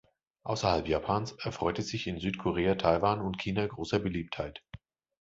Außerhalb Japans erfreut es sich in Südkorea, Taiwan und China großer Beliebtheit.